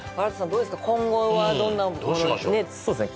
どうですか今後はどんなそうですね